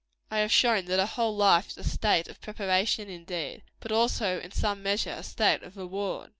I have shown that her whole life is a state of preparation, indeed but also, in some measure, a state of reward.